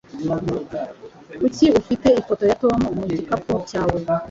Kuki ufite ifoto ya Tom mu gikapo cyawe?